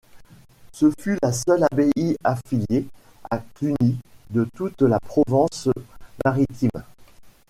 Ce fut la seule abbaye affiliée à Cluny de toute la Provence maritime.